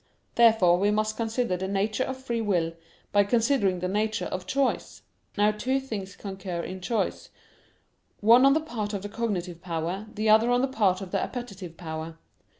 Therefore we must consider the nature of free will, by considering the nature of choice. Now two things concur in choice: one on the part of the cognitive power, the other on the part of the appetitive power.